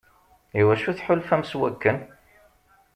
Iwacu tḥulfam s wakken?